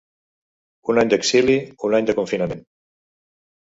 Un any d'exili, un any de confinament.